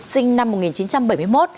sinh năm một nghìn chín trăm bảy mươi một